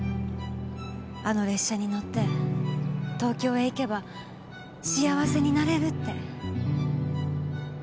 あの列車に乗って東京へ行けば幸せになれるって。